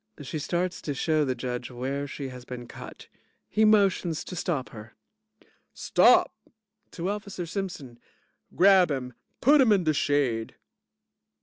(She starts to show the JUDGE where she has been cut. He motions to stop her.) JUDGE Stop! (to Officer Simpson) Grab him. Put him in de shade.